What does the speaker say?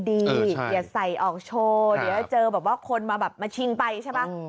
เดี๋ยวใส่ออกโชว์เดี๋ยวจะเจอคนมาชิงไปใช่ปะ